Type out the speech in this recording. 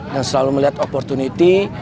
dan selalu melihat opportunity